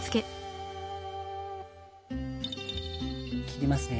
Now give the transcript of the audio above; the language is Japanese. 切りますね。